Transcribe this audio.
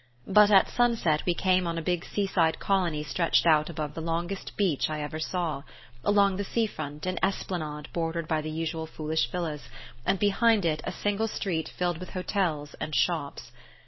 But at sunset we came on a big seaside colony stretched out above the longest beach I ever saw: along the sea front, an esplanade bordered by the usual foolish villas, and behind it a single street filled with hotels and shops.